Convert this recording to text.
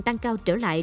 tăng cao trở lại